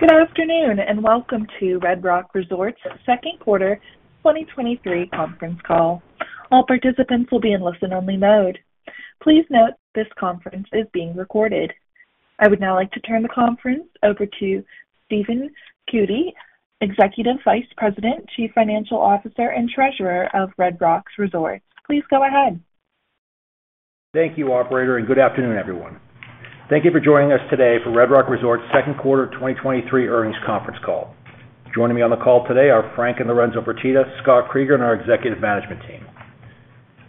Good afternoon, and welcome to Red Rock Resorts Second Quarter 2023 Conference Call. All participants will be in listen-only mode. Please note this conference is being recorded. I would now like to turn the conference over to Stephen Cootey, Executive Vice President, Chief Financial Officer, and Treasurer of Red Rock Resorts. Please go ahead. Thank you, operator, good afternoon, everyone. Thank you for joining us today for Red Rock Resorts Second Quarter 2023 Earnings Conference Call. Joining me on the call today are Frank and Lorenzo Fertitta, Scott Kreeger, and our executive management team.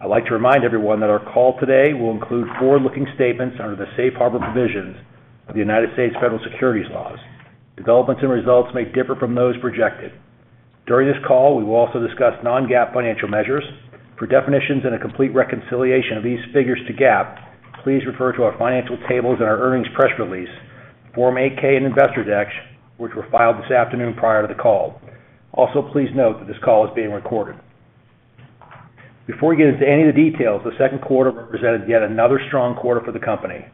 I'd like to remind everyone that our call today will include forward-looking statements under the safe harbor provisions of the U.S. federal securities laws. Developments and results may differ from those projected. During this call, we will also discuss non-GAAP financial measures. For definitions and a complete reconciliation of these figures to GAAP, please refer to our financial tables and our earnings press release, Form 8-K and Investor Deck, which were filed this afternoon prior to the call. Please note that this call is being recorded. Before we get into any of the details, the second quarter represented yet another strong quarter for the company.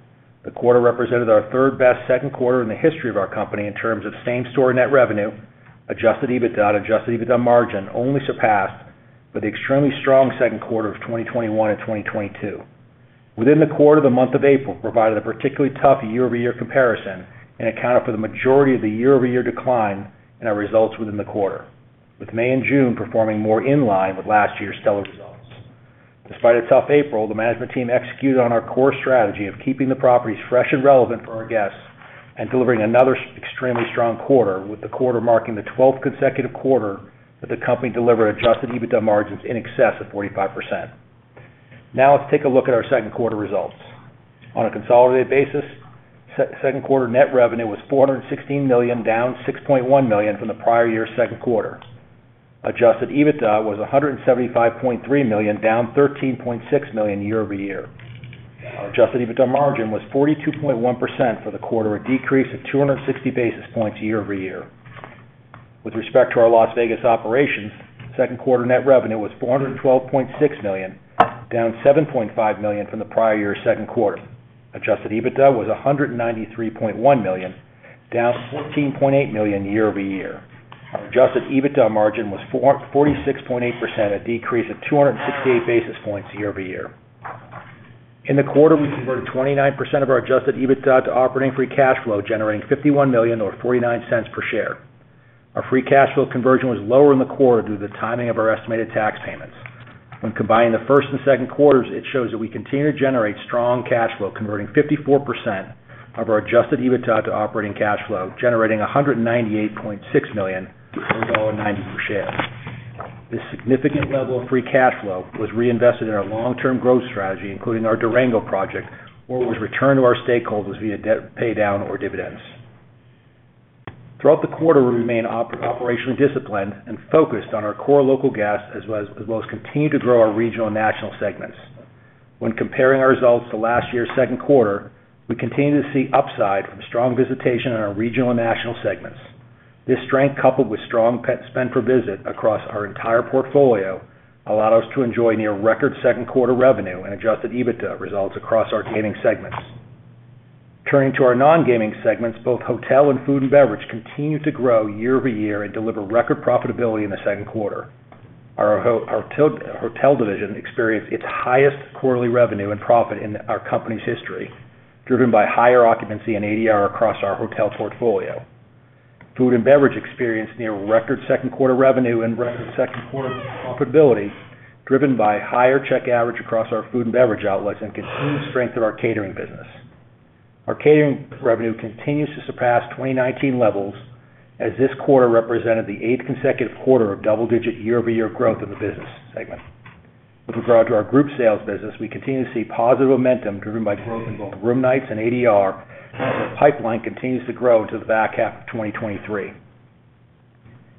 The quarter represented our third-best second quarter in the history of our company in terms of same-store net revenue, Adjusted EBITDA, Adjusted EBITDA margin, only surpassed by the extremely strong second quarter of 2021 and 2022. Within the quarter, the month of April provided a particularly tough year-over-year comparison and accounted for the majority of the year-over-year decline in our results within the quarter, with May and June performing more in line with last year's stellar results. Despite a tough April, the management team executed on our core strategy of keeping the properties fresh and relevant for our guests and delivering another extremely strong quarter, with the quarter marking the twelfth consecutive quarter that the company delivered Adjusted EBITDA margins in excess of 45%. Let's take a look at our second quarter results. On a consolidated basis, second quarter net revenue was $416 million, down $6.1 million from the prior year's second quarter. Adjusted EBITDA was $175.3 million, down $13.6 million year-over-year. Our Adjusted EBITDA margin was 42.1% for the quarter, a decrease of 260 basis points year-over-year. With respect to our Las Vegas operations, second quarter net revenue was $412.6 million, down $7.5 million from the prior year's second quarter. Adjusted EBITDA was $193.1 million, down $14.8 million year-over-year. Our Adjusted EBITDA margin was 46.8%, a decrease of 268 basis points year-over-year. In the quarter, we converted 29% of our Adjusted EBITDA to operating free cash flow, generating $51 million or $0.49 per share. Our free cash flow conversion was lower in the quarter due to the timing of our estimated tax payments. When combining the first and second quarters, it shows that we continue to generate strong cash flow, converting 54% of our Adjusted EBITDA to operating cash flow, generating $198.6 million or $1.90 per share. This significant level of free cash flow was reinvested in our long-term growth strategy, including our Durango project, or was returned to our stakeholders via debt paydown or dividends. Throughout the quarter, we remained operationally disciplined and focused on our core local guests, as well as, as well as continued to grow our regional and national segments. When comparing our results to last year's second quarter, we continue to see upside from strong visitation in our regional and national segments. This strength, coupled with strong spend per visit across our entire portfolio, allowed us to enjoy near record second quarter revenue and Adjusted EBITDA results across our gaming segments. Turning to our non-gaming segments, both hotel and food and beverage continued to grow year-over-year and deliver record profitability in the second quarter. Our our hotel, hotel division experienced its highest quarterly revenue and profit in our company's history, driven by higher occupancy and ADR across our hotel portfolio. Food and beverage experienced near-record second-quarter revenue and record second-quarter profitability, driven by higher check average across our food and beverage outlets and continued strength of our catering business. Our catering revenue continues to surpass 2019 levels, as this quarter represented the eighth consecutive quarter of double-digit year-over-year growth in the business segment. With regard to our group sales business, we continue to see positive momentum driven by growth in both room nights and ADR. The pipeline continues to grow into the back half of 2023.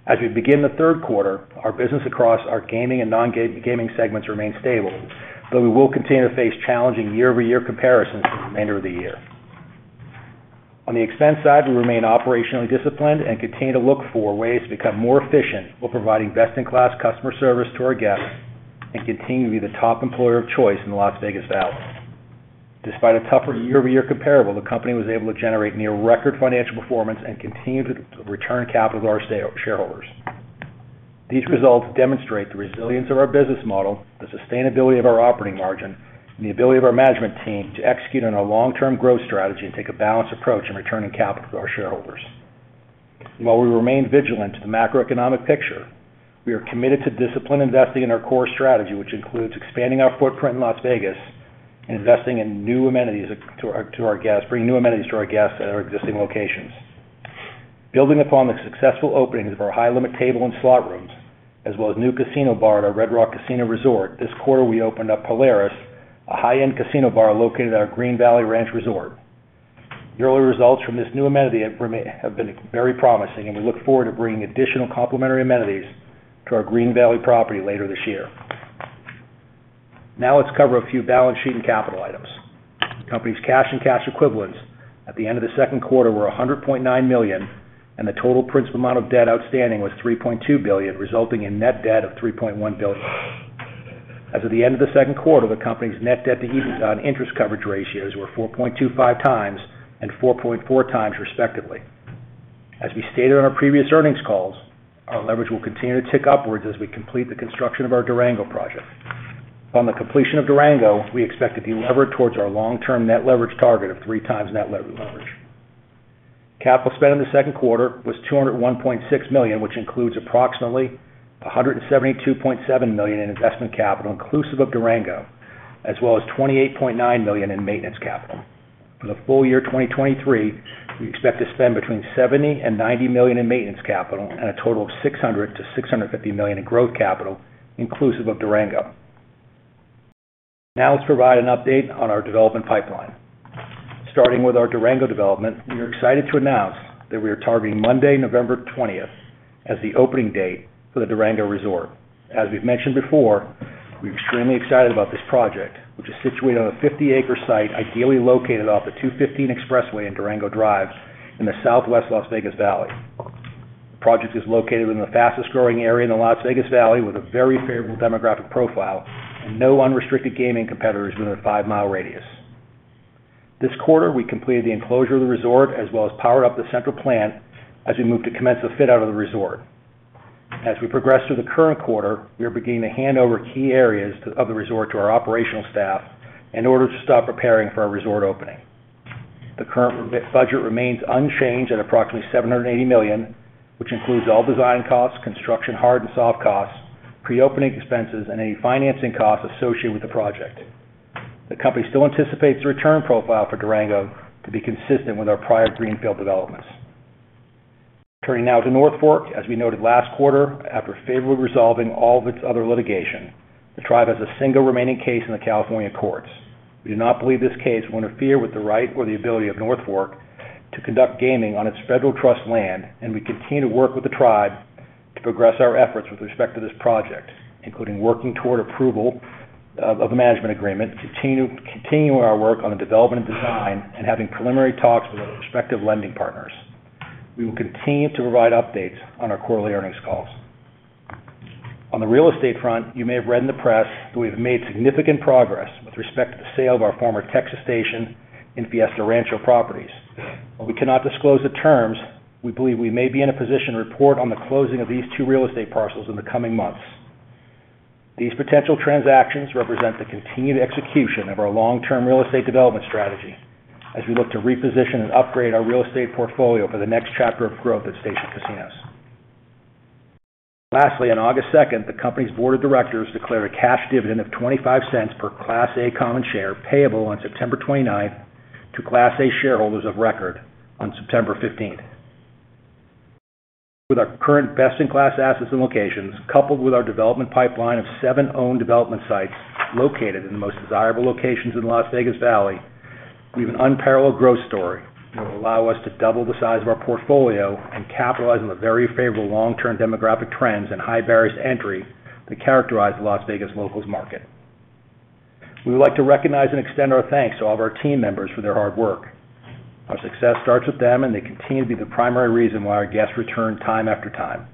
As we begin the third quarter, our business across our gaming and non-gaming segments remain stable. We will continue to face challenging year-over-year comparisons for the remainder of the year. On the expense side, we remain operationally disciplined and continue to look for ways to become more efficient while providing best-in-class customer service to our guests and continue to be the top employer of choice in the Las Vegas Valley. Despite a tougher year-over-year comparable, the company was able to generate near-record financial performance and continued to return capital to our shareholders. These results demonstrate the resilience of our business model, the sustainability of our operating margin, and the ability of our management team to execute on our long-term growth strategy and take a balanced approach in returning capital to our shareholders. While we remain vigilant to the macroeconomic picture, we are committed to disciplined investing in our core strategy, which includes expanding our footprint in Las Vegas and investing in new amenities to our guests-- bringing new amenities to our guests at our existing locations. Building upon the successful openings of our high-limit table and slot rooms, as well as new casino bar at our Red Rock Casino Resort, this quarter, we opened up Polaris, a high-end casino bar located at our Green Valley Ranch Resort. The early results from this new amenity have been very promising, and we look forward to bringing additional complimentary amenities to our Green Valley property later this year. Now, let's cover a few balance sheet and capital items. The company's cash and cash equivalents at the end of the second quarter were $100.9 million, and the total principal amount of debt outstanding was $3.2 billion, resulting in net debt of $3.1 billion. As of the end of the second quarter, the company's net debt-to-EBITDA and interest coverage ratios were 4.25x and 4.4x, respectively. As we stated on our previous earnings calls, our leverage will continue to tick upwards as we complete the construction of our Durango project. On the completion of Durango, we expect to de-leverage towards our long-term net leverage target of 3x net leverage. Capital spend in the second quarter was $201.6 million, which includes approximately $172.7 million in investment capital, inclusive of Durango, as well as $28.9 million in maintenance capital. For the full year 2023, we expect to spend between $70 million-$90 million in maintenance capital and a total of $600 million-$650 million in growth capital, inclusive of Durango. Now, let's provide an update on our development pipeline. Starting with our Durango development, we are excited to announce that we are targeting Monday, November 20th, as the opening date for the Durango resort. As we've mentioned before, we're extremely excited about this project, which is situated on a 50 acre site, ideally located off the 215 Expressway in Durango Drive in the southwest Las Vegas Valley. The project is located in the fastest-growing area in the Las Vegas Valley, with a very favorable demographic profile and no unrestricted gaming competitors within a five mile radius. This quarter, we completed the enclosure of the resort as well as powered up the central plant as we move to commence the fit-out of the resort. As we progress through the current quarter, we are beginning to hand over key areas of the resort to our operational staff in order to start preparing for our resort opening. The current budget remains unchanged at approximately $780 million, which includes all design costs, construction, hard and soft costs, pre-opening expenses, and any financing costs associated with the project. The company still anticipates the return profile for Durango to be consistent with our prior greenfield developments. Turning now to North Fork. As we noted last quarter, after favorably resolving all of its other litigation, the tribe has a single remaining case in the California courts. We do not believe this case will interfere with the right or the ability of North Fork to conduct gaming on its federal trust land, and we continue to work with the tribe to progress our efforts with respect to this project, including working toward approval of the management agreement, continuing our work on the development and design, and having preliminary talks with our respective lending partners. We will continue to provide updates on our quarterly earnings calls. On the real estate front, you may have read in the press that we've made significant progress with respect to the sale of our former Texas Station and Fiesta Rancho properties. While we cannot disclose the terms, we believe we may be in a position to report on the closing of these two real estate parcels in the coming months. These potential transactions represent the continued execution of our long-term real estate development strategy as we look to reposition and upgrade our real estate portfolio for the next chapter of growth at Station Casinos. Lastly, on August 2nd, the company's board of directors declared a cash dividend of $0.25 per Class A common share, payable on September 29th to Class A shareholders of record on September 15th. With our current best-in-class assets and locations, coupled with our development pipeline of seven owned development sites located in the most desirable locations in the Las Vegas Valley, we have an unparalleled growth story that will allow us to double the size of our portfolio and capitalize on the very favorable long-term demographic trends and high barriers to entry that characterize the Las Vegas locals market. We would like to recognize and extend our thanks to all of our team members for their hard work. Our success starts with them, and they continue to be the primary reason why our guests return time after time.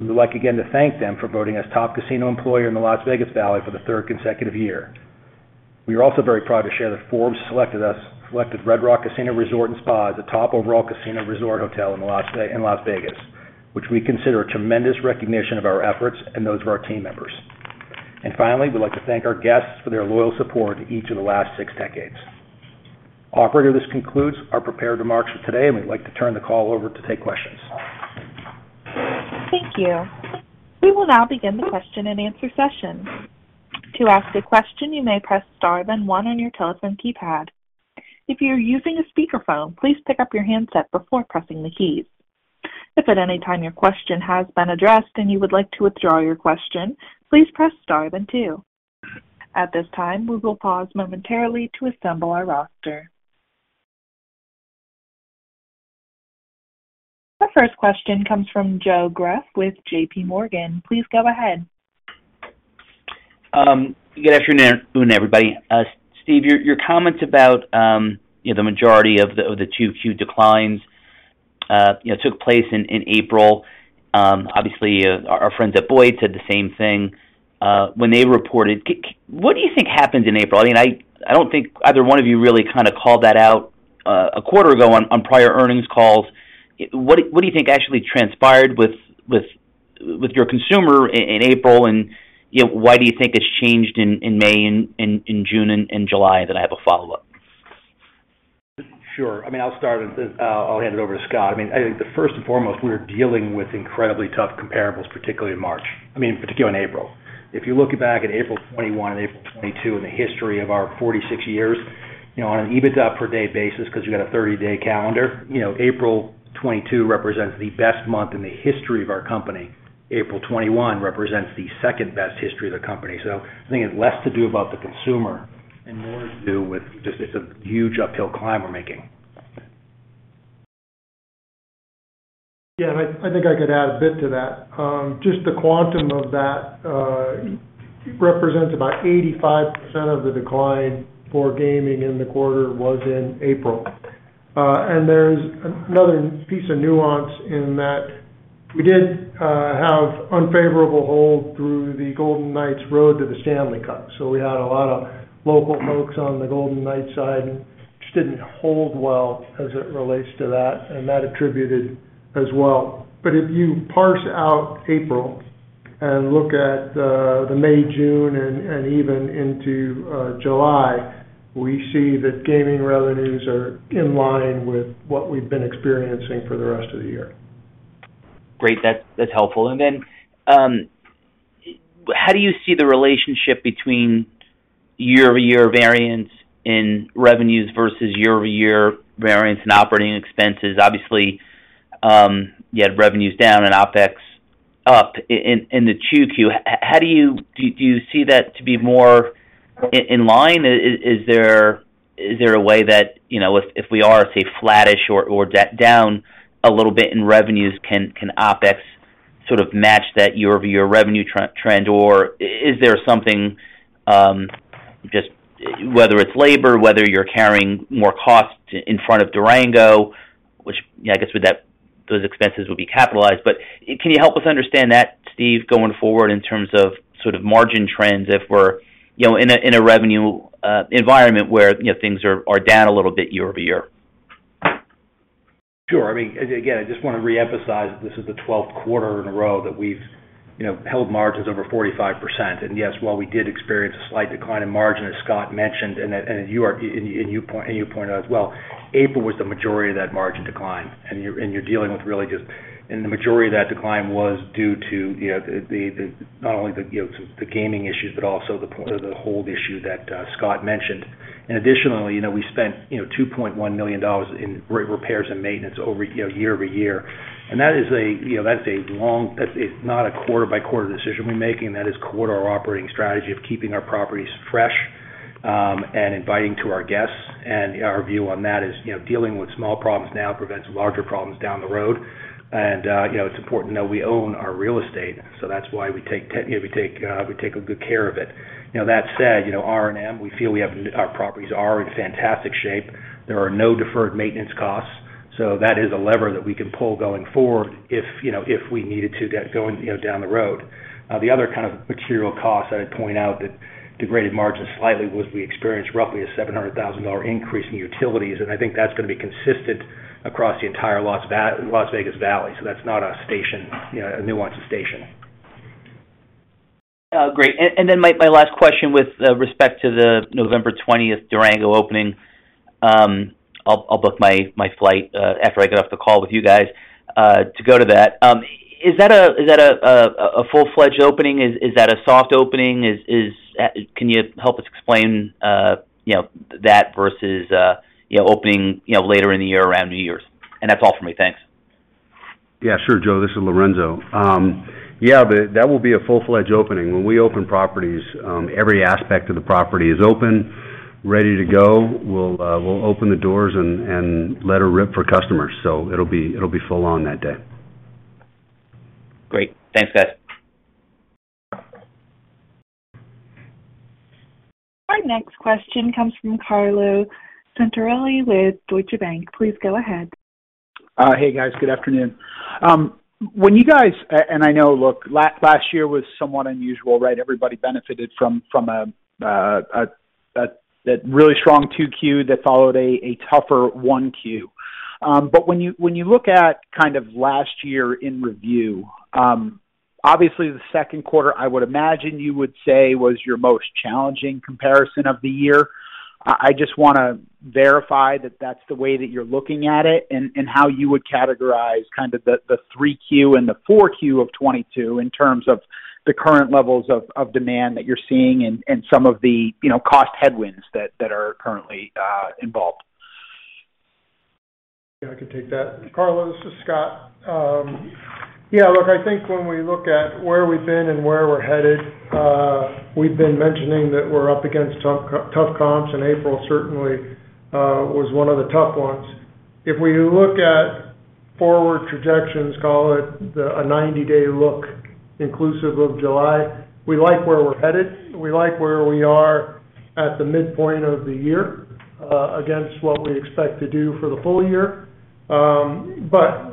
We would like again to thank them for voting as Top Casino Employer in the Las Vegas Valley for the third consecutive year. We are also very proud to share that Forbes selected us selected Red Rock Casino Resort & Spa as a top overall casino resort hotel in Las Vegas, which we consider a tremendous recognition of our efforts and those of our team members. Finally, we'd like to thank our guests for their loyal support each of the last six decades. Operator, this concludes our prepared remarks for today, and we'd like to turn the call over to take questions. Thank you. We will now begin the question-and-answer session. To ask a question, you may press star, then one on your telephone keypad. If you're using a speakerphone, please pick up your handset before pressing the keys. If at any time your question has been addressed and you would like to withdraw your question, please press star, then two. At this time, we will pause momentarily to assemble our roster. Our first question comes from Joe Greff with J.P. Morgan. Please go ahead. Good afternoon, everybody. Steve, your comments about, you know, the majority of the 2Q declines, you know, took place in April. Obviously, our friends at Boyd said the same thing when they reported. What do you think happened in April? I mean, I don't think either one of you really kind of called that out a quarter ago on prior earnings calls. What do you think actually transpired with your consumer in April? You know, why do you think it's changed in May, and in June, and in July? Then I have a follow-up. Sure. I mean, I'll start and then, I'll hand it over to Scott. I mean, I think the first and foremost, we're dealing with incredibly tough comparables, particularly in March, I mean, particularly in April. If you're looking back at April 2021 and April 2022 in the history of our 46 years, you know, on an EBITDA per day basis, because you got a 30-day calendar, you know, April 2022 represents the best month in the history of our company. April 2021 represents the second-best history of the company. I think it's less to do about the consumer and more to do with just it's a huge uphill climb we're making. Yeah, and I, I think I could add a bit to that. Just the quantum of that represents about 85% of the decline for gaming in the quarter was in April. There's another piece of nuance in that. We did have unfavorable hold through the Golden Knights Road to the Stanley Cup. We had a lot of local folks on the Golden Knight side, which didn't hold well as it relates to that, and that attributed as well. If you parse out April and look at the, the May, June, and, and even into July, we see that gaming revenues are in line with what we've been experiencing for the rest of the year. Great. That's, that's helpful. How do you see the relationship between year-over-year variance in revenues versus year-over-year variance in operating expenses? Obviously, you had revenues down and OpEx up in, in the 2Q. How do you see that to be more in line? Is, is, is there, is there a way that, you know, if, if we are, say, flattish or, or down a little bit in revenues, can, can OpEx sort of match that year-over-year revenue trend, or is there something, just whether it's labor, whether you're carrying more costs in front of Durango, which, yeah, I guess, with that, those expenses would be capitalized. Can you help us understand that, Steve, going forward in terms of sort of margin trends, if we're, you know, in a, in a revenue, environment where, you know, things are, are down a little bit year-over-year? Sure. I mean, again, I just wanna reemphasize, this is the 12th quarter in a row that we've, you know, held margins over 45%. Yes, while we did experience a slight decline in margin, as Scott mentioned, and you, and you pointed out as well, April was the majority of that margin decline, and you're, and you're dealing with really just, the majority of that decline was due to, you know, the, the, not only the, you know, the gaming issues, but also the, the hold issue that Scott mentioned. Additionally, you know, we spent, you know, $2.1 million in repairs and maintenance, you know, year-over-year. That is a, you know, that's not a quarter-by-quarter decision we're making. That is core to our operating strategy of keeping our properties fresh and inviting to our guests. Our view on that is, you know, dealing with small problems now prevents larger problems down the road. You know, it's important to know we own our real estate, so that's why we take we take a good care of it. You know, that said, you know, R&M, we feel our properties are in fantastic shape. There are no deferred maintenance costs, so that is a lever that we can pull going forward if, you know, if we needed to get going, you know, down the road. The other kind of material cost, I'd point out, that degraded margins slightly, was we experienced roughly a $700,000 increase in utilities, and I think that's gonna be consistent across the entire Las Vegas Valley. That's not a station, you know, a nuance of station. Great. Then my last question with respect to the November 20th Durango opening. I'll book my flight after I get off the call with you guys to go to that. Is that a full-fledged opening? Is that a soft opening? Can you help us explain, you know, that versus, you know, opening, you know, later in the year around New Year's? That's all for me. Thanks. Yeah, sure, Joe. This is Lorenzo. Yeah, that will be a full-fledged opening. When we open properties, every aspect of the property is open, ready to go. We'll open the doors and let it rip for customers. It'll be full on that day. Great. Thanks, guys. Our next question comes from Carlo Santarelli with Deutsche Bank. Please go ahead. Hey, guys. Good afternoon. When you guys-- A- and I know, look, la- last year was somewhat unusual, right? Everybody benefited from, from a, a, a, that really strong 2Q that followed a, a tougher 1Q. But when you, when you look at kind of last year in review, obviously, the second quarter, I would imagine you would say, was your most challenging comparison of the year. I, I just wanna verify that that's the way that you're looking at it, and, and how you would categorize kind of the, the 3Q and the 4Q of 2022 in terms of the current levels of, of demand that you're seeing and, and some of the, you know, cost headwinds that, that are currently involved. Yeah, I can take that. Carlo, this is Scott. Yeah, look, I think when we look at where we've been and where we're headed, we've been mentioning that we're up against tough tough comps, and April certainly was one of the tough ones. If we look at forward trajectories, call it the, a 90-day look, inclusive of July, we like where we're headed. We like where we are at the midpoint of the year, against what we expect to do for the full year.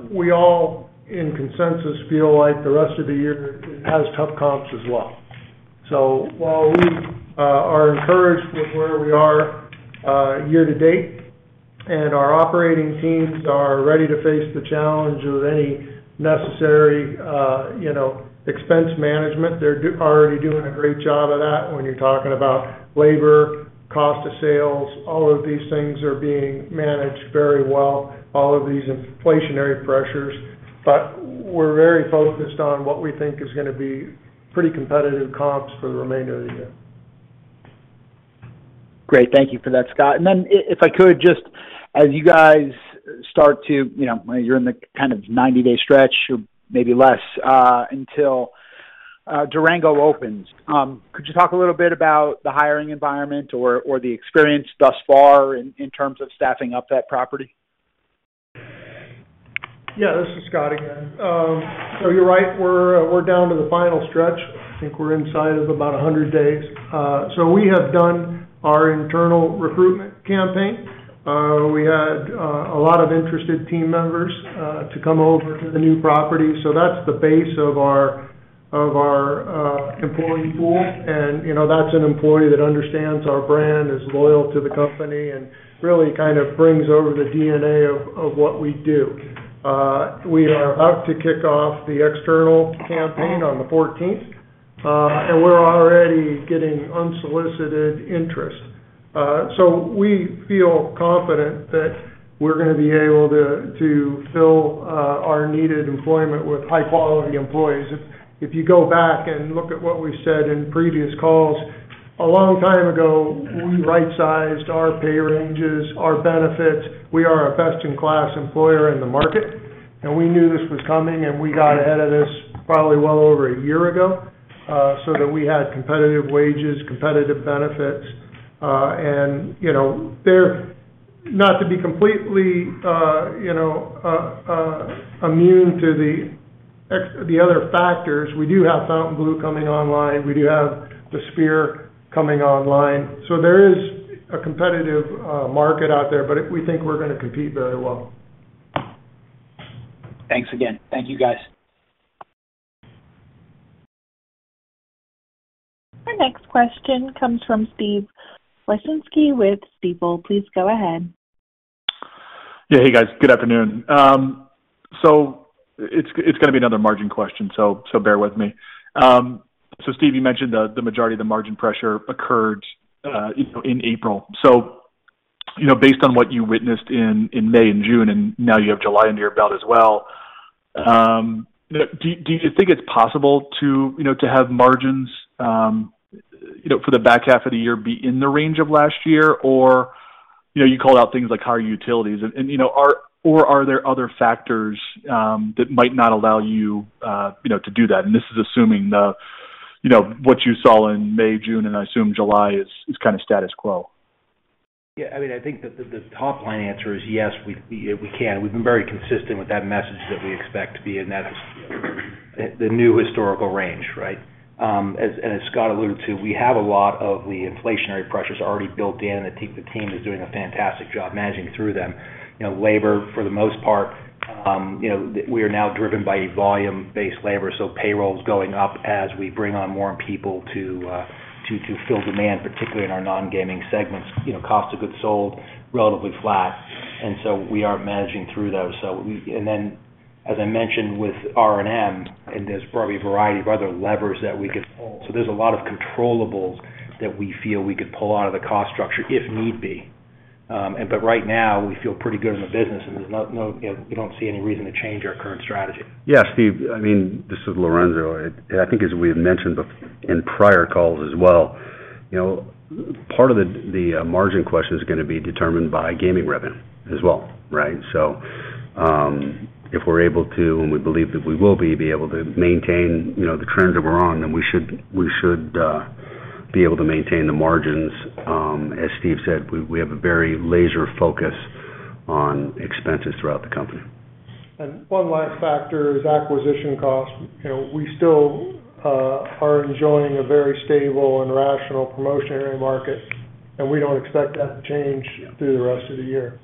We all, in consensus, feel like the rest of the year has tough comps as well. While we are encouraged with where we are year to date, and our operating teams are ready to face the challenge of any necessary, you know, expense management, they're already doing a great job of that when you're talking about labor, cost of sales, all of these things are being managed very well, all of these inflationary pressures. We're very focused on what we think is gonna be pretty competitive comps for the remainder of the year. Great. Thank you for that, Scott. If I could, just as you guys start to, you know, you're in the kind of 90-day stretch, or maybe less, until Durango opens, could you talk a little bit about the hiring environment or, or the experience thus far in, in terms of staffing up that property? Yeah, this is Scott again. You're right, we're, we're down to the final stretch. I think we're inside of about 100 days. We have done our internal recruitment campaign. We had a lot of interested team members to come over to the new property. That's the base of our employee pool. You know, that's an employee that understands our brand, is loyal to the company, and really kind of brings over the DNA of what we do. We are about to kick off the external campaign on the 14th, we're already getting unsolicited interest. We feel confident that we're gonna be able to fill our needed employment with high-quality employees. If, if you go back and look at what we said in previous calls, a long time ago, we right-sized our pay ranges, our benefits. We are a best-in-class employer in the market, and we knew this was coming, and we got ahead of this probably well over a year ago, so that we had competitive wages, competitive benefits. You know, they're not to be completely, you know, immune to the ex-- the other factors. We do have Fontainebleau coming online. We do have the Sphere coming online. There is a competitive market out there, but we think we're gonna compete very well. Thanks again. Thank you, guys. Our next question comes from Steve Wieczynski with Stifel. Please go ahead. Yeah, hey, guys. Good afternoon. It's, it's gonna be another margin question, so bear with me. Steve, you mentioned the, the majority of the margin pressure occurred, you know, in April. You know, based on what you witnessed in, in May and June, and now you have July under your belt as well, do, do you think it's possible to, you know, to have margins, you know, for the back half of the year, be in the range of last year? You know, you called out things like higher utilities, and, and, you know, are there other factors that might not allow you, you know, to do that? This is assuming the, you know, what you saw in May, June, and I assume July is, is kind of status quo. Yeah, I mean, I think that the, the top-line answer is yes, we, we, we can. We've been very consistent with that message that we expect to be in that, the new historical range, right? As, as Scott alluded to, we have a lot of the inflationary pressures already built in. I think the team is doing a fantastic job managing through them. You know, labor, for the most part, you know, we are now driven by volume-based labor, so payroll is going up as we bring on more people to, to, to fill demand, particularly in our non-gaming segments. You know, cost of goods sold, relatively flat, so we are managing through those. Then, as I mentioned with R&M, and there's probably a variety of other levers that we could pull. There's a lot of controllables that we feel we could pull out of the cost structure if need be. Right now, we feel pretty good in the business, and there's no, no, you know, we don't see any reason to change our current strategy. Yeah, Steve, I mean, this is Lorenzo. I think as we had mentioned in prior calls as well, you know, part of the margin question is gonna be determined by gaming revenue as well, right? If we're able to, and we believe that we will be, be able to maintain, you know, the trends that we're on, then we should, we should be able to maintain the margins. As Steve said, we have a very laser focus on expenses throughout the company. One last factor is acquisition costs. You know, we still are enjoying a very stable and rational promotionary market, and we don't expect that to change through the rest of the year.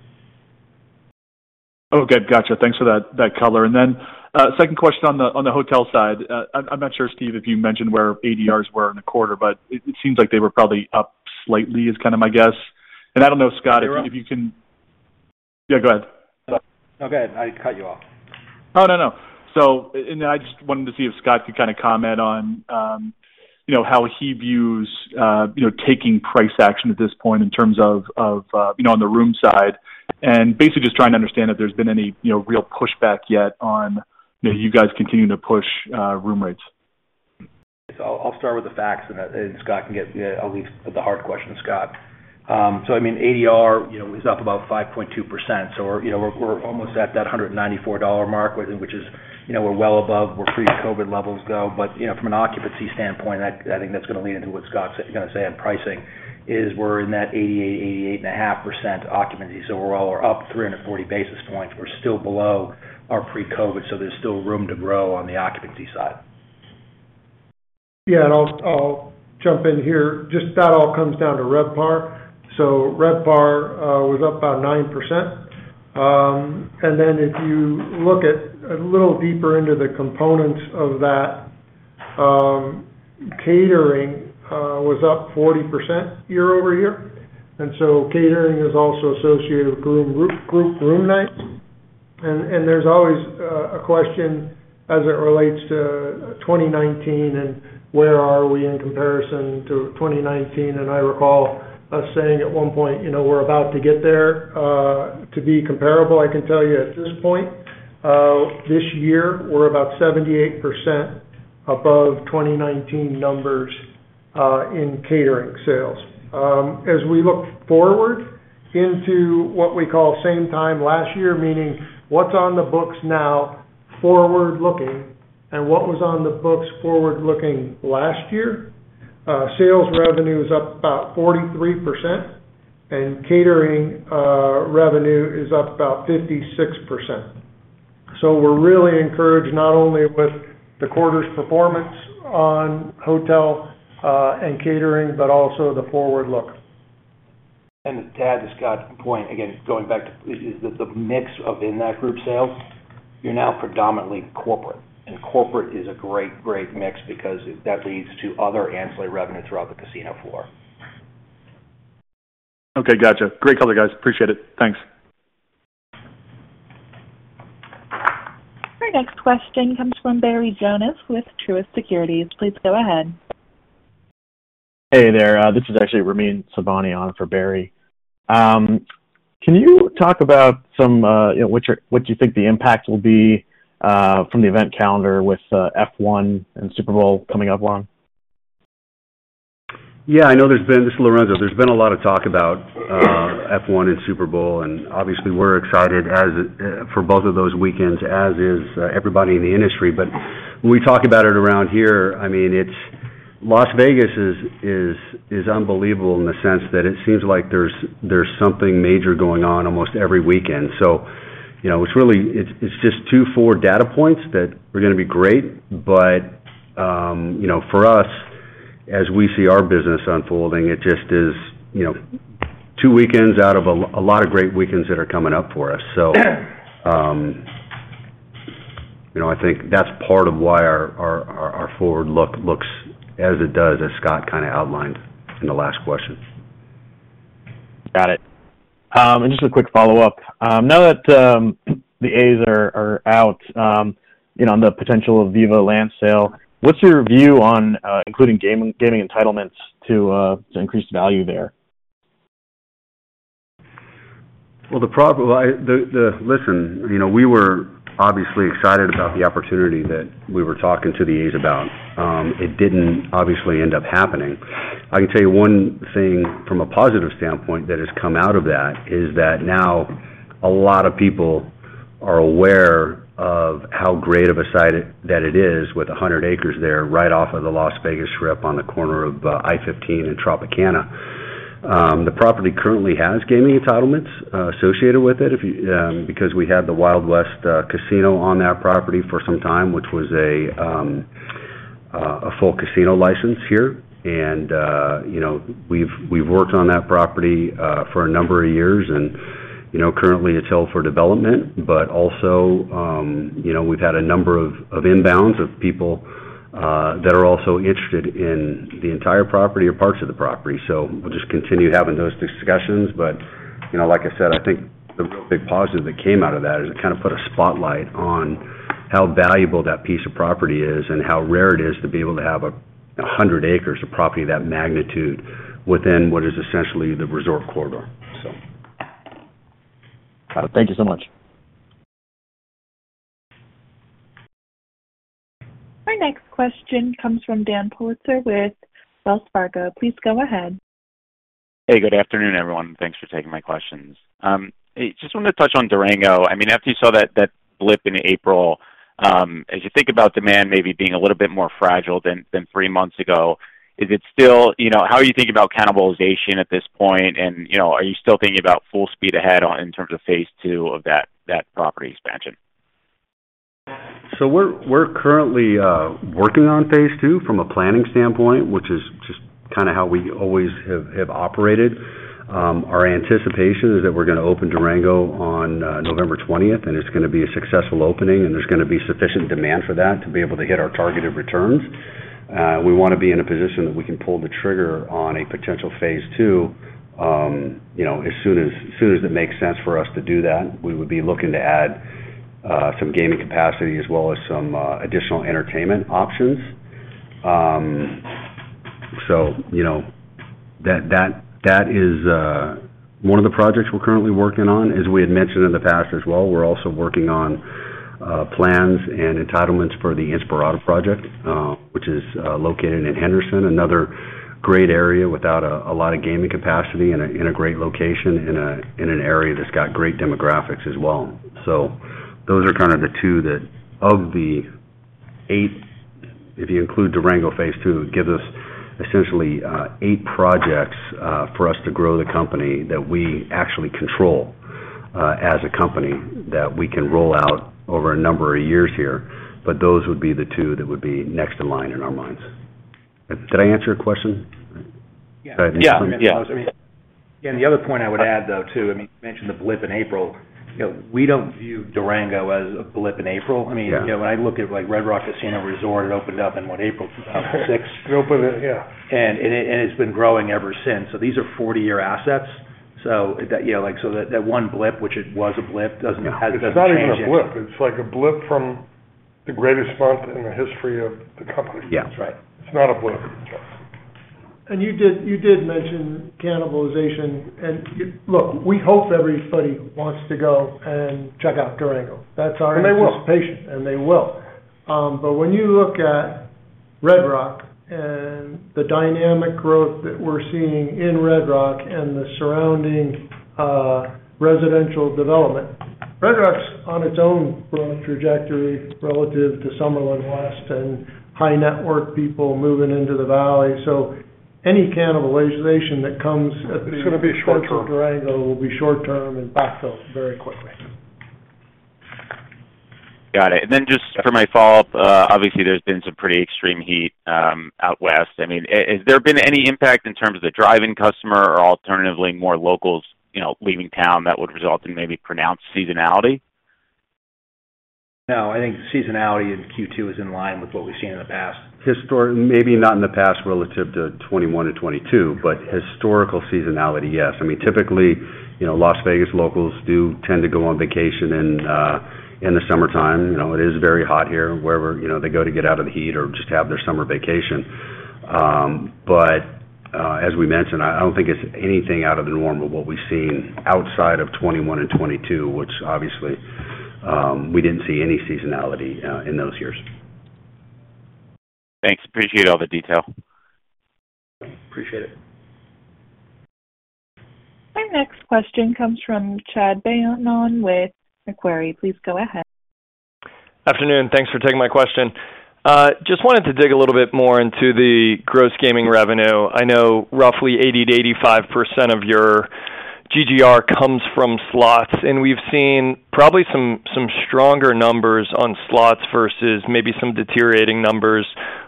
Okay, gotcha. Thanks for that, that color. Then, second question on the, on the hotel side. I'm, I'm not sure, Steve, if you mentioned where ADRs were in the quarter, but it, it seems like they were probably up slightly, is kind of my guess. I don't know, Scott, if you can- They were up. Yeah, go ahead. No, go ahead. I cut you off. Oh, no, no. I just wanted to see if Scott could kind of comment on, you know, how he views, you know, taking price action at this point in terms of, of, you know, on the room side, and basically just trying to understand if there's been any, you know, real pushback yet on, you know, you guys continuing to push room rates. I'll, I'll start with the facts, and then, and Scott can get, I'll leave the hard questions to Scott. I mean, ADR, you know, is up about 5.2%. We're, you know, we're, we're almost at that $194 mark, which is, you know, we're well above where pre-COVID levels go. You know, from an occupancy standpoint, that, I think that's gonna lead into what Scott's gonna say on pricing, is we're in that 88%, 88.5% occupancy. We're all up 340 basis points. We're still below our pre-COVID, so there's still room to grow on the occupancy side. Yeah, I'll, I'll jump in here. Just that all comes down to RevPAR. RevPAR was up about 9%. If you look at, a little deeper into the components of that, catering was up 40% year-over-year. Catering is also associated with group, group room nights. There's always a question as it relates to 2019 and where are we in comparison to 2019. I recall us saying at one point, you know, we're about to get there. To be comparable, I can tell you at this point, this year, we're about 78% above 2019 numbers in catering sales. As we look forward into what we call same time last year, meaning what's on the books now, forward-looking, and what was on the books forward-looking last year, sales revenue is up about 43%, and catering, revenue is up about 56%. We're really encouraged, not only with the quarter's performance on hotel, and catering, but also the forward look. To add to Scott's point, again, going back to, is the mix of in that group sales, you're now predominantly corporate, and corporate is a great, great mix because that leads to other ancillary revenue throughout the casino floor. Okay, gotcha. Great color, guys. Appreciate it. Thanks. Our next question comes from Barry Jonas with Truist Securities. Please go ahead. Hey there, this is actually Ramin Sobhani on for Barry. Can you talk about some, you know, what you think the impact will be from the event calendar with F1 and Super Bowl coming up on? Yeah, I know there's been this is Lorenzo. There's been a lot of talk about F1 and Super Bowl, and obviously, we're excited as for both of those weekends, as is everybody in the industry. When we talk about it around here, I mean, it's Las Vegas is, is, is unbelievable in the sense that it seems like there's, there's something major going on almost every weekend. You know, it's really, it's, it's just two, four data points that are gonna be great. You know, for us, as we see our business unfolding, it just is, you know, two weekends out of a lot of great weekends that are coming up for us. You know, I think that's part of why our, our, our, our forward look looks as it does, as Scott kinda outlined in the last question. Got it. Just a quick follow-up. Now that Oakland Athletics are, are out, you know, on the potential of Vivo land sale, what's your view on including gaming, gaming entitlements to to increase value there? Well, listen, you know, we were obviously excited about the opportunity that we were talking to the A's about. It didn't obviously end up happening. I can tell you one thing from a positive standpoint that has come out of that, is that now a lot of people are aware of how great of a site it, that it is, with 100 acres there, right off of the Las Vegas Strip, on the corner of I-15 and Tropicana. The property currently has gaming entitlements associated with it, if you, because we had the Wild Wild West Casino on that property for some time, which was a full casino license here. You know, we've, we've worked on that property for a number of years, and, you know, currently it's held for development. Also, you know, we've had a number of, of inbounds of people that are also interested in the entire property or parts of the property. We'll just continue having those discussions. You know, like I said, I think the real big positive that came out of that is it kind of put a spotlight on how valuable that piece of property is, and how rare it is to be able to have 100 acres of property of that magnitude within what is essentially the resort corridor. Got it. Thank you so much. Our next question comes from Dan Politzer with Wells Fargo. Please go ahead. Hey, good afternoon, everyone. Thanks for taking my questions. Hey, just wanted to touch on Durango. I mean, after you saw that, that blip in April, as you think about demand maybe being a little bit more fragile than, than three months ago? You know, how are you thinking about cannibalization at this point? You know, are you still thinking about full speed ahead in terms of phase II of that, that property expansion? We're, we're currently working on phase II from a planning standpoint, which is just kinda how we always have, have operated. Our anticipation is that we're gonna open Durango on November 20th, and it's gonna be a successful opening, and there's gonna be sufficient demand for that to be able to hit our targeted returns. We wanna be in a position that we can pull the trigger on a potential phase II, you know, as soon as, as soon as it makes sense for us to do that. We would be looking to add some gaming capacity, as well as some additional entertainment options. You know, that, that, that is one of the projects we're currently working on. As we had mentioned in the past as well, we're also working on plans and entitlements for the Inspirada project, which is located in Henderson, another great area without a lot of gaming capacity and in a great location, in an area that's got great demographics as well. Those are kind of the two that, of the eight, if you include Durango phase II, it gives us essentially eight projects for us to grow the company, that we actually control as a company, that we can roll out over a number of years here. Those would be the two that would be next in line in our minds. Did I answer your question? Yeah. Yeah. Yeah, I mean, again, the other point I would add, though, too, I mean, you mentioned the blip in April. You know, we don't view Durango as a blip in April. Yeah. I mean, you know, when I look at, like, Red Rock Casino Resort, it opened up in, what, April 6th? It opened, yeah. It, and it's been growing ever since. These are 40-year assets. That, yeah, like, so that, that one blip, which it was a blip, doesn't, has-. It's not even a blip. It's like a blip from the greatest month in the history of the company. Yeah, that's right. It's not a blip. Yes. You did, you did mention cannibalization. Look, we hope everybody wants to go and check out Durango. That's our... They will. Anticipation, they will. When you look at Red Rock and the dynamic growth that we're seeing in Red Rock and the surrounding, residential development, Red Rock's on its own growth trajectory relative to Summerlin West and high-net-worth people moving into the Valley. Any cannibalization that comes- It's gonna be short term. At Durango will be short term and backfilled very quickly. Got it. Then just for my follow-up, obviously, there's been some pretty extreme heat, out west. I mean, has there been any impact in terms of the drive-in customer or alternatively, more locals, you know, leaving town that would result in maybe pronounced seasonality? No, I think seasonality in Q2 is in line with what we've seen in the past. Historically, maybe not in the past relative to 2021 to 2022, but historical seasonality, yes. I mean, typically, you know, Las Vegas locals do tend to go on vacation in the summertime. You know, it is very hot here, wherever, you know, they go to get out of the heat or just have their summer vacation. As we mentioned, I, I don't think it's anything out of the norm of what we've seen outside of 2021 and 2022, which obviously, we didn't see any seasonality in those years. Thanks. Appreciate all the detail. Appreciate it. Our next question comes from Chad Beynon with Macquarie. Please go ahead. Afternoon. Thanks for taking my question. Just wanted to dig a little bit more into the gross gaming revenue. I know roughly 80%-85% of your GGR comes from slots. We've seen probably some, some stronger numbers on slots versus maybe some deteriorating numbers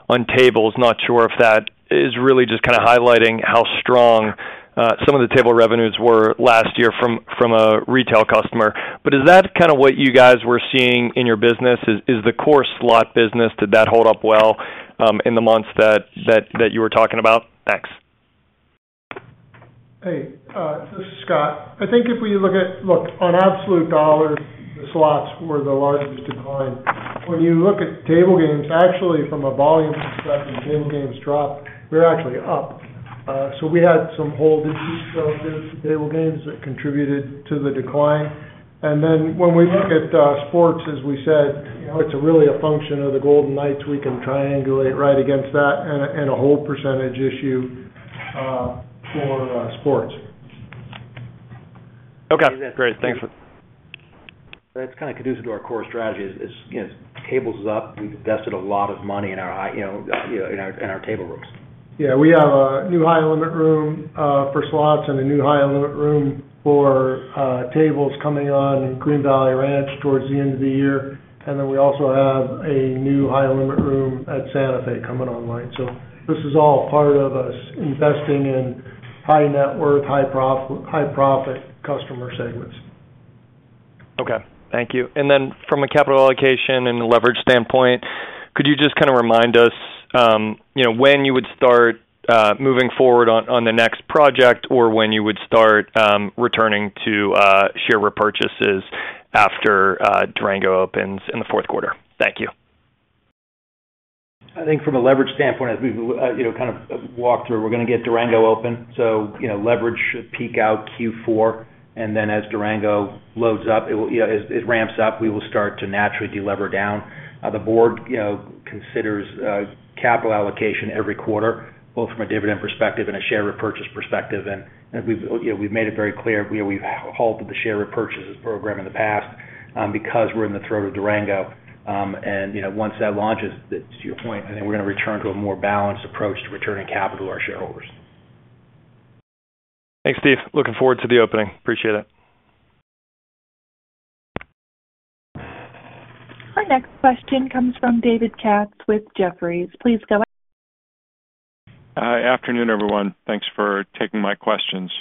on tables. Not sure if that is really just kind of highlighting how strong, some of the table revenues were last year from, from a retail customer. Is that kind of what you guys were seeing in your business? Is, is the core slot business, did that hold up well in the months that, that, that you were talking about? Thanks. Hey, this is Scott. I think if we look, on absolute dollars, the slots were the largest decline. When you look at table games, actually from a volume perspective, table games dropped. We were actually up. We had some hold issues related to table games that contributed to the decline. Then when we look at sports, as we said, you know, it's really a function of the Golden Knights. We can triangulate right against that and a whole percentage issue for sports. Okay, great. Thanks. That's kind of conducive to our core strategy is, you know, tables is up. We've invested a lot of money in our high, you know, in our table rooms. Yeah, we have a new high-limit room for slots and a new high-limit room for tables coming on in Green Valley Ranch towards the end of the year. We also have a new high-limit room at Santa Fe coming online. This is all part of us investing in high net worth, high-profit customer segments. Okay, thank you. From a capital allocation and leverage standpoint, could you just kind of remind us, you know, when you would start moving forward on, on the next project or when you would start returning to share repurchases after Durango opens in the fourth quarter? Thank you. I think from a leverage standpoint, as we've, you know, kind of walked through, we're going to get Durango open, so, you know, leverage should peak out Q4, and then as Durango loads up, it will. You know, as it ramps up, we will start to naturally delever down. The board, you know, considers capital allocation every quarter, both from a dividend perspective and a share repurchase perspective. We've, you know, we've made it very clear, we've halted the share repurchases program in the past, because we're in the throat of Durango. You know, once that launches, that's to your point, I think we're going to return to a more balanced approach to returning capital to our shareholders. Thanks, Steve. Looking forward to the opening. Appreciate it. Our next question comes from David Katz with Jefferies. Please go ahead. Afternoon, everyone. Thanks for taking my questions.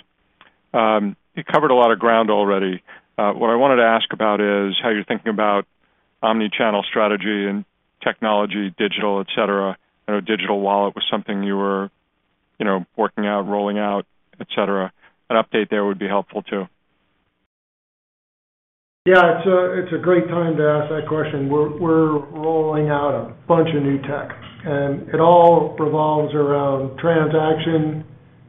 You covered a lot of ground already. What I wanted to ask about is, how you're thinking about omni-channel strategy and technology, digital, et cetera. I know digital wallet was something you were, you know, working out, rolling out, et cetera. An update there would be helpful, too. Yeah, it's a great time to ask that question. We're rolling out a bunch of new tech, and it all revolves around transaction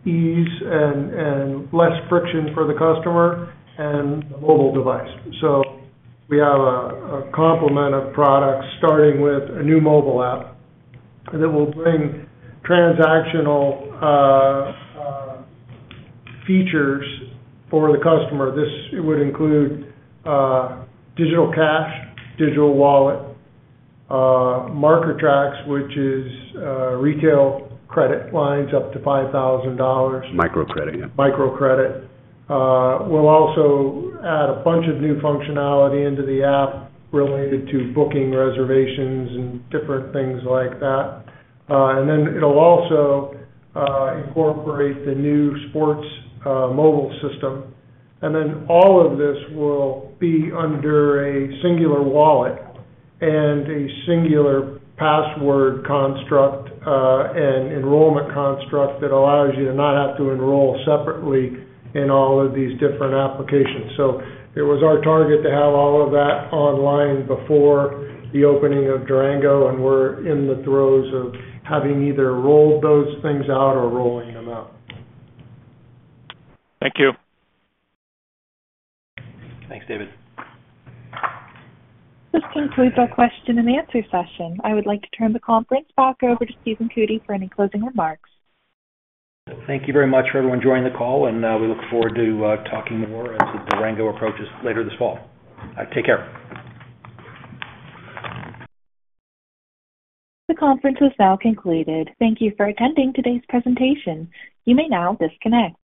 ease and less friction for the customer and the mobile device. We have a complement of products, starting with a new mobile app that will bring transactional features for the customer. This would include digital cash, digital wallet, Marker Trax, which is retail credit lines up to $5,000. Microcredit, yeah. Microcredit. We'll also add a bunch of new functionality into the app related to booking reservations and different things like that. It'll also incorporate the new sports mobile system. All of this will be under a singular wallet and a singular password construct and enrollment construct that allows you to not have to enroll separately in all of these different applications. It was our target to have all of that online before the opening of Durango, and we're in the throes of having either rolled those things out or rolling them out. Thank you. Thanks, David. This concludes our question and answer session. I would like to turn the conference back over to Stephen Cootey for any closing remarks. Thank you very much for everyone joining the call, and we look forward to talking more as the Durango approaches later this fall. Take care. The conference is now concluded. Thank you for attending today's presentation. You may now disconnect.